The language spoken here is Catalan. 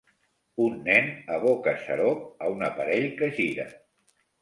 Un nen aboca xarop a un aparell que gira.